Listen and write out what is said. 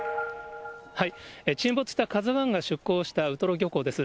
沈没したＫＡＺＵＩが出港したウトロ漁港です。